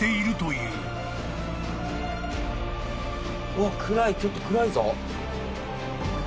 うわ暗いちょっと暗いぞ。